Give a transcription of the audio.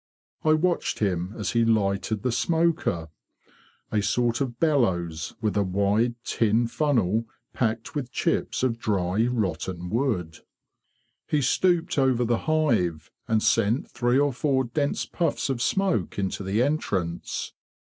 I watched him as he lighted the smoker, a sort of bellows with a wide tin funnel packed with chips of dry rotten wood. He stooped over the hive, and sent three or four dense puffs of smoke into the entrance.